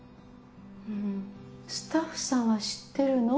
うんスタッフさんは知ってるの？